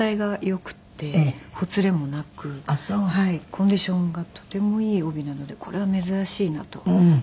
コンディションがとてもいい帯なのでこれは珍しいなと思って。